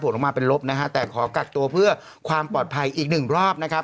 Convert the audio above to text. ออกมาเป็นลบนะฮะแต่ขอกักตัวเพื่อความปลอดภัยอีกหนึ่งรอบนะครับ